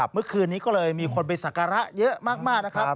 เมื่อคืนนี้ก็เลยมีคนไปสักการะเยอะมากนะครับ